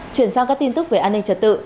chuyển sang các tin tức về an ninh trật tự